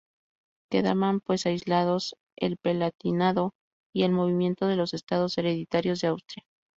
Quedaban, pues, aislados el Palatinado y el movimiento en los Estados hereditarios de Austria.